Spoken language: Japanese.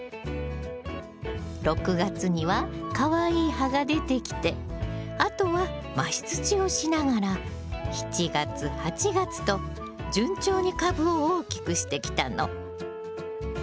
６月にはかわいい葉が出てきてあとは増し土をしながら７月８月と順調に株を大きくしてきたの。